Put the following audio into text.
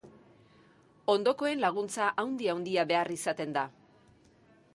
Ondokoen laguntza handi-handia behar izaten da.